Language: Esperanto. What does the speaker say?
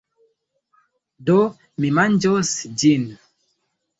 Do. Mi manĝos ĝin.